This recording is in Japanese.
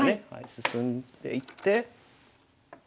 進んでいって。